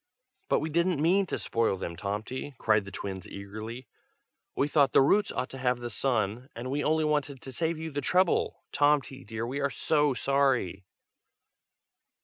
"But we didn't mean to spoil them, Tomty!" cried the twins eagerly. "We thought the roots ought to have the sun, and we only wanted to save you the trouble, Tomty dear! and we are so sorry!"